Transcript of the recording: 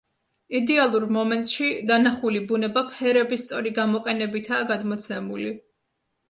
იდეალურ მომენტში დანახული ბუნება ფერების სწორი გამოყენებითაა გადმოცემული.